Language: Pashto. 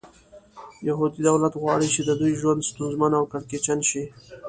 یهودي دولت غواړي چې د دوی ژوند ستونزمن او کړکېچن شي.